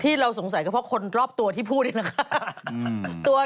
เราสงสัยก็เพราะคนรอบตัวที่พูดนี่แหละ